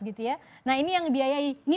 gitu ya nah ini yang dibiayai ini